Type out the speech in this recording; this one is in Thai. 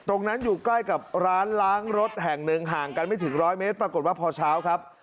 อยู่ใกล้กับร้านล้างรถแห่งหนึ่งห่างกันไม่ถึงร้อยเมตรปรากฏว่าพอเช้าครับ